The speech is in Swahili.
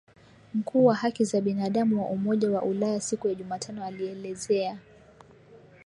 Mkuu wa haki za binadamu wa Umoja wa Ulaya siku ya Jumatano alielezea